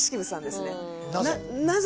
なぜ？